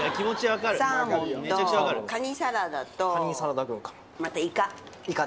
サーモンと、カニサラダと、また、いか。